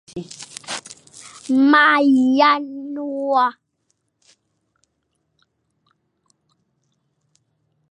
Ma yane wa.